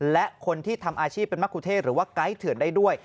และคนที่ทำอาชีพเป็นมะคุเทศหรือว่าไกด์เถื่อนได้ด้วย